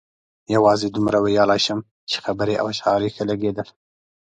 یوازې دومره ویلای شم چې خبرې او اشعار یې ښه لګېدل.